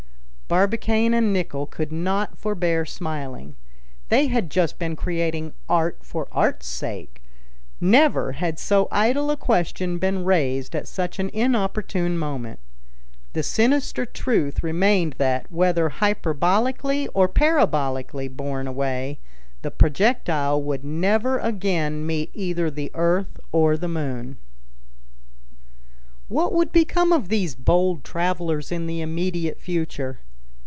Barbicane and Nicholl could not forbear smiling. They had just been creating "art for art's sake." Never had so idle a question been raised at such an inopportune moment. The sinister truth remained that, whether hyperbolically or parabolically borne away, the projectile would never again meet either the earth or the moon. What would become of these bold travelers in the immediate future?